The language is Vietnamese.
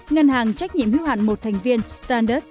ngân hàng trách nhiệm hữu hạn một thành viên standard